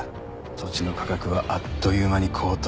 土地の価格はあっという間に高騰。